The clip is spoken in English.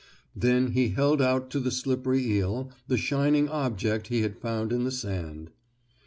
Then he held out to the slippery eel the shining object he had found in the sand.